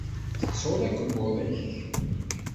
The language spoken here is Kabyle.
Tettuḍ akebbuḍ-ik.